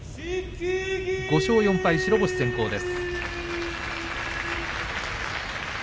５勝４敗、白星先行です。